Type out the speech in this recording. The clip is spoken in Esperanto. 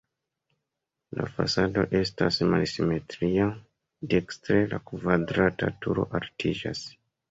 La fasado estas malsimetria, dekstre la kvadrata turo altiĝas.